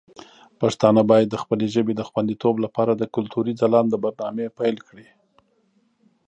پښتانه باید د خپلې ژبې د خوندیتوب لپاره د کلتوري ځلانده برنامې پیل کړي.